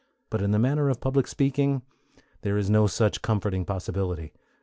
But in the matter of public speaking there is no such comforting possibility.